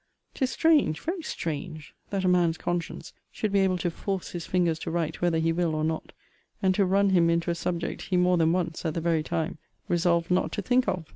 'Tis strange, very strange, that a man's conscience should be able to force his fingers to write whether he will or not; and to run him into a subject he more than once, at the very time, resolved not to think of.